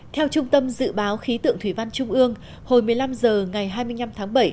theo trung tâm dự báo khí tượng thủy văn trung ương hồi một mươi năm h ngày hai mươi năm tháng bảy